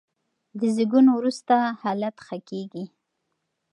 د زېږون وروسته حالت ښه کېږي.